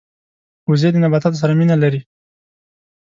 وزې د نباتاتو سره مینه لري